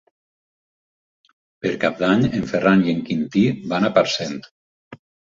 Per Cap d'Any en Ferran i en Quintí van a Parcent.